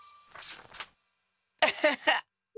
アハハッ！